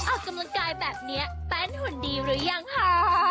ออกกำลังกายแบบนี้แป้นหุ่นดีหรือยังคะ